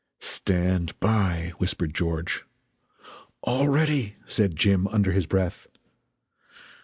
"Stand by!" whispered George. "All ready!" said Jim, under his breath.